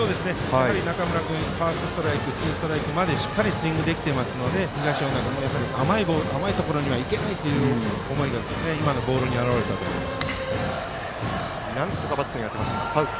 中村君ツーストライクまでしっかりスイングできてますので東恩納君も甘いところにはいけないという思いがボールに表れていたと思います。